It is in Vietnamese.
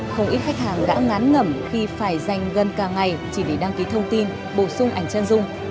không ít khách hàng đã ngán ngẩm khi phải dành gần cả ngày chỉ vì đăng ký thông tin bổ sung ảnh chân dung